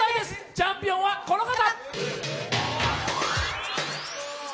チャンピオンはこの方。